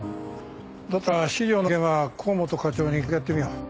だったら資料の件は河本課長にかけ合ってみよう。